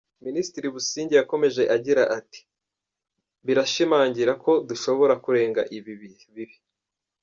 Minisitiri Busingye yakomeje agira ati “Birashimangira ko dushobora kurenga ibi bihe bibi.